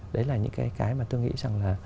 đấy là những cái mà tôi nghĩ rằng